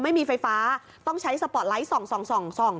ไม่มีไฟฟ้าต้องใช้สปอร์ตไลท์๒๒๒๒